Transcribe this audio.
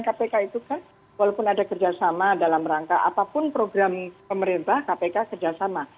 kpk itu kan walaupun ada kerjasama dalam rangka apapun program pemerintah kpk kerjasama